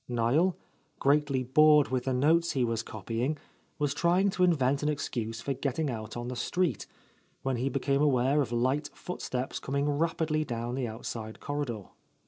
Niel, greatly bored with the notes he was copying, was trying to invent an excuse for getting out on the street, when he became aware of light footsteps coming rapidly down the outside corridor.